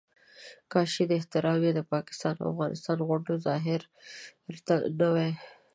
کاش چې دا احترام یې د پاکستان او افغانستان غوندې ظاهري نه وي.